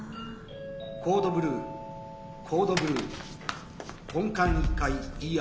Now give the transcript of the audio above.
「コードブルーコードブルー本館１階ＥＲ。